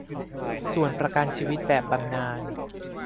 ส่วนประกันชีวิตแบบบำนาญ